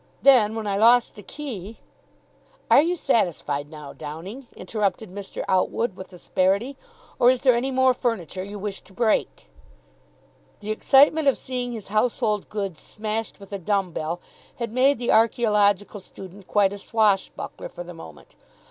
Then, when I lost the key " "Are you satisfied now, Downing?" interrupted Mr. Outwood with asperity, "or is there any more furniture you wish to break?" The excitement of seeing his household goods smashed with a dumb bell had made the archaeological student quite a swashbuckler for the moment.